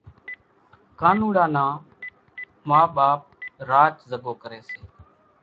ڪانوڙا نان ما ٻاپ راچ زڳو ڪري سي